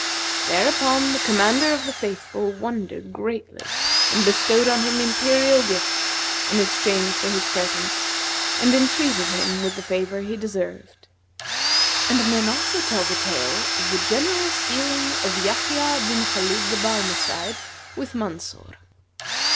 Thereupon the Commander of the Faithful wondered greatly and bestowed on him imperial gifts, in exchange for his presents, and entreated him with the favour he deserved. And men also tell the tale of the GENEROUS DEALING OF YAHYA BIN KHALID THE BARMECIDE WITH MANSUR.